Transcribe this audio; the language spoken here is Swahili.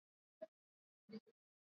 Hutokea baada ya mvua kunyesha